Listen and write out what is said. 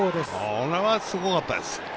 これはすごかったです。